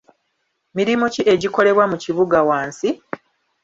Mirimu ki egikolebwa mu kibuga wansi?